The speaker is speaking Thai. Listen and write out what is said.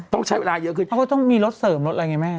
ต้องใช้เวลาเยอะขึ้นเขาก็ต้องมีรถเสริมรถอะไรไงแม่